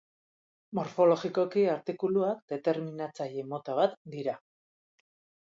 Morfologikoki artikuluak determinatzaile mota bat dira.